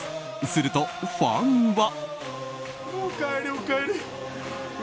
すると、ファンは。